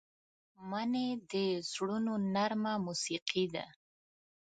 مني د زړونو نرمه موسيقي ده